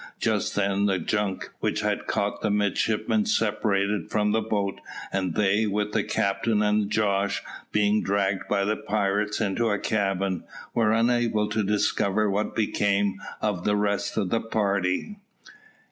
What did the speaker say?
Just then, the junk which had caught the midshipmen separated from the boat, and they, with the captain and Jos, being dragged by the pirates into a cabin, were unable to discover what became of the rest of the party.